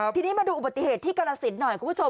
ทีนี้มาดูอุบัติเหตุที่กรสินหน่อยคุณผู้ชม